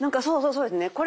そうそうそうですね。